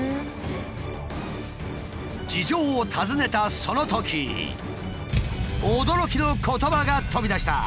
事情を尋ねたそのとき驚きの言葉が飛び出した！